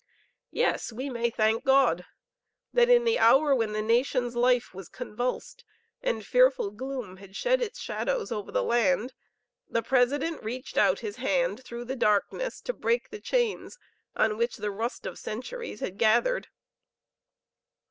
Yes, we may thank God that in the hour when the nation's life was convulsed, and fearful gloom had shed its shadows over the land, the President reached out his hand through the darkness to break the chains on which the rust of centuries had gathered.